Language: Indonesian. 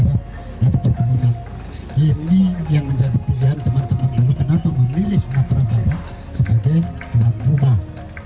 jadi ini yang menjadi pilihan teman teman dulu kenapa memilih sumatera barat sebagai tuan rumah